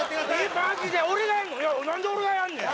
何で俺がやんねん？